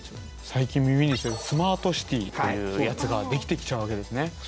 最近耳にするスマートシティというやつができてきちゃうわけですね。